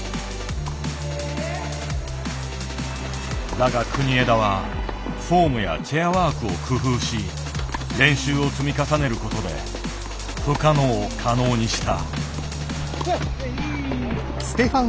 だが国枝はフォームやチェアワークを工夫し練習を積み重ねることで不可能を可能にした。